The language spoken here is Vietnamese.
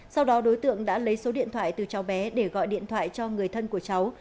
sau đó đối tượng đã lấy số điện thoại từ cháu bé để gọi điện thoại cho người thân của cháu